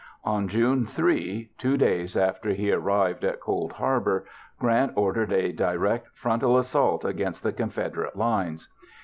On June 3, 2 days after he arrived at Cold Harbor, Grant ordered a direct frontal assault against the Confederate lines.